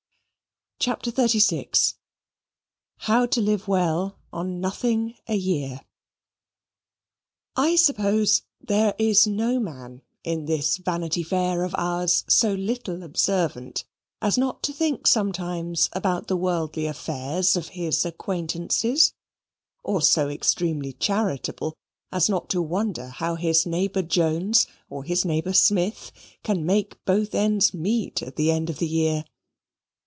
CHAPTER XXXVI How to Live Well on Nothing a Year I suppose there is no man in this Vanity Fair of ours so little observant as not to think sometimes about the worldly affairs of his acquaintances, or so extremely charitable as not to wonder how his neighbour Jones, or his neighbour Smith, can make both ends meet at the end of the year.